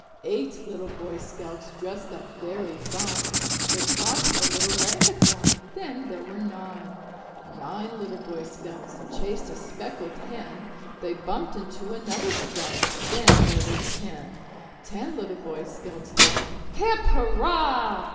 Eight little Boy Scouts dressed up very fine; They caught a little ragged one then there were nine. Nine little Boy Scouts chased a speckled hen; They bumped into another Scout then there were ten. Ten little Boy Scouts yelling "Hip, hurrah!"